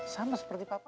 sama seperti papa